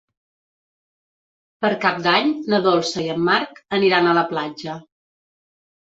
Per Cap d'Any na Dolça i en Marc aniran a la platja.